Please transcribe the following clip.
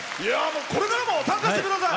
これからも参加してください。